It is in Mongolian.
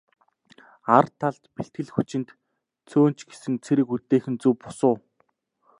Ар талд бэлтгэл хүчинд цөөн ч гэсэн цэрэг үлдээх нь зөв бус уу?